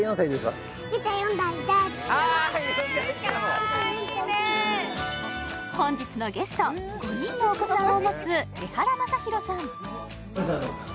かわいいね本日のゲスト５人のお子さんを持つエハラマサヒロさん